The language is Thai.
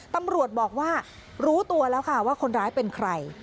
ตำรวจบอกว่ารู้ตัวแล้วค่ะว่าคนร้ายเป็นใคร